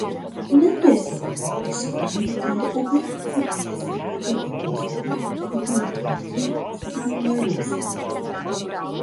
Набрзо по потпишувањето, убавицата ја скратила косата и обојувајќи ја станала руса.